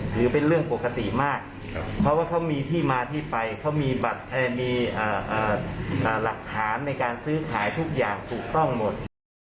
ถือเป็นเรื่องปกติมากเพราะว่าเขามีที่มาที่ไปเขามีหลักฐานในการซื้อขายทุกอย่างถูกต้องหมด